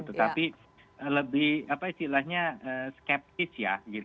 tetapi lebih apa istilahnya skeptis ya